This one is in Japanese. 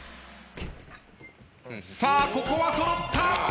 さあここは揃った。